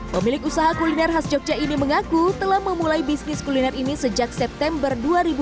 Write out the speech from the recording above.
pemilik usaha kuliner khas jogja ini mengaku telah memulai bisnis kuliner ini sejak september dua ribu dua puluh